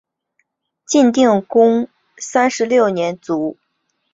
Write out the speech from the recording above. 晋定公三十六年卒。